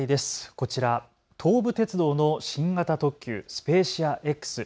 こちら、東武鉄道の新型特急、スペーシアＸ。